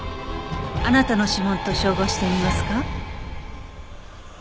あなたの指紋と照合してみますか？